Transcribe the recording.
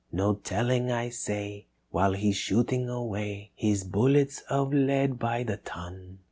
No telling, I say, while he's shooting away His bullets of lead by the ton.